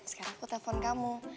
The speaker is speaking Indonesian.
sekarang aku telepon kamu